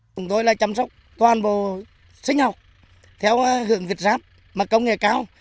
chúng tôi là chăm sóc toàn bộ sinh học theo hưởng việt giáp mà công nghệ cao